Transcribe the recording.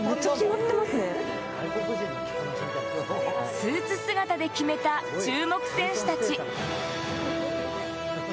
スーツ姿でキメた、注目選手たち。